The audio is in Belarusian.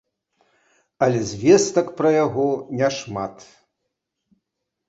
Але звестак пра яго няшмат.